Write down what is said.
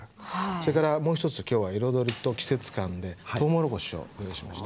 それからもう一つきょうは彩りと季節感でとうもろこしをご用意しました。